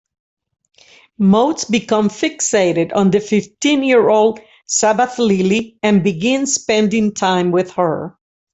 Motes becomes fixated on the fifteen-year-old Sabbath Lily and begins spending time with her.